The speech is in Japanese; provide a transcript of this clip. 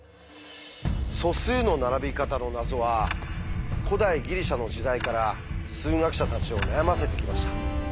素数の並び方の謎は古代ギリシャの時代から数学者たちを悩ませてきました。